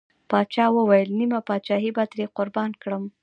پاچا وويل: نيمه پاچاهي به ترې قربان کړم.